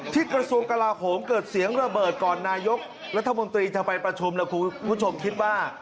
กระทรวงกลาโหมเกิดเสียงระเบิดก่อนนายกรัฐมนตรีจะไปประชุมแล้วคุณผู้ชมคิดว่า